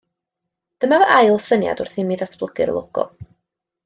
Dyma fy ail syniad wrth i mi ddatblygu'r logo